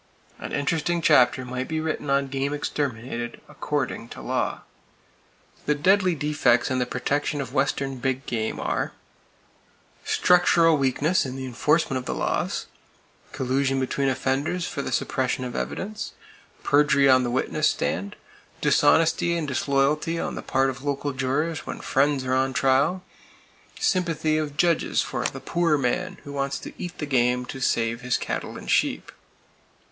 An interesting chapter might be written on game exterminated according to law. The deadly defects in the protection of western big game are: Structural weakness in the enforcement of the laws; Collusion between offenders for the suppression of evidence; Perjury on the witness stand; Dishonesty and disloyalty on the part of local jurors when friends, are on trial; Sympathy of judges for "the poor man" who wants to eat the game to save his cattle and sheep.